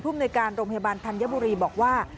ในการโรงพยาบาลธัญบุรีบอกว่า